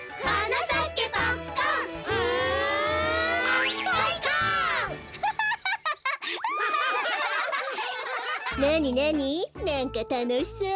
なんかたのしそう。